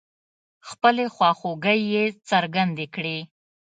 خپلې خواخوږۍ يې څرګندې کړې.